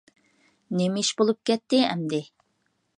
نېمە ئىش بولۇپ كەتتى ئەمدى!